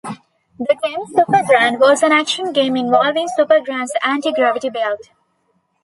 The game "Super Gran" was an action game involving Supergran's anti-gravity belt.